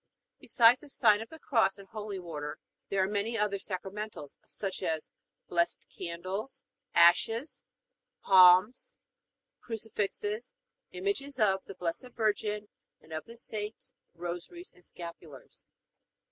Besides the sign of the Cross and holy water there are many other sacramentals, such as blessed candles, ashes, palms, crucifixes, images of the Blessed Virgin and of the saints, rosaries, and scapulars.